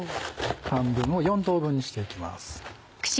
半分を４等分にしていきます。